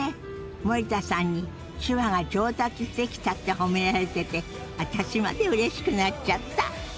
森田さんに手話が上達してきたって褒められてて私までうれしくなっちゃった！